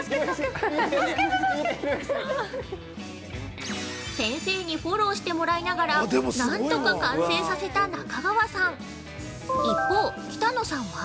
◆先生にフォローしてもらいながら、なんとか完成させた中川さん。